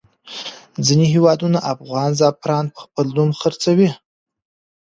ځینې هېوادونه افغان زعفران په خپل نوم خرڅوي.